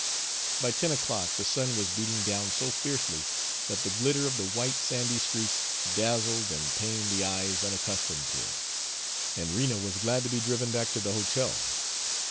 By ten o'clock the sun was beating down so fiercely that the glitter of the white, sandy streets dazzled and pained the eyes unaccustomed to it, and Rena was glad to be driven back to the hotel.